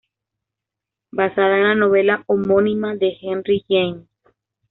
Basada en la novela homónima de Henry James.